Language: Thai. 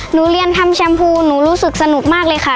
เรียนทำแชมพูหนูรู้สึกสนุกมากเลยค่ะ